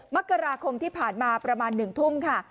มกราคมที่ผ่านมาประมาณ๑ทุ่มค่ะ